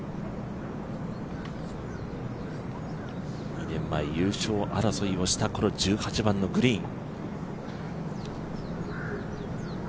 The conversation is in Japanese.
２年前優勝争いをしたこの１８番のグリーン。